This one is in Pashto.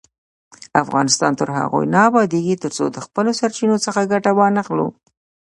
افغانستان تر هغو نه ابادیږي، ترڅو د خپلو سرچینو څخه ګټه وانخلو.